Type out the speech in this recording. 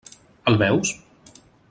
El veus?